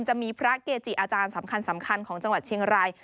จะมีพระเกจิอาจารย์สำคัญของจังหวัดเชียงราย